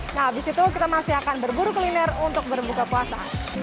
nah habis itu kita masih akan berburu kuliner untuk berbuka puasa